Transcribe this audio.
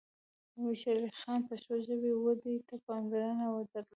امیر شیر علی خان پښتو ژبې ودې ته پاملرنه درلوده.